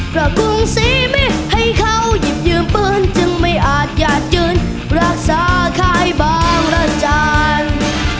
กระกุงสีไม่ให้เขาหยิบยืมปืนจึงไม่อาจอยากยืนรักษาขายบางระจันทร์